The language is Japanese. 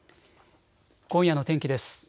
今夜の天気です。